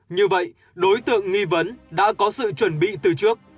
như vậy đối tượng nghi vấn đã có sự chuẩn bị từ trước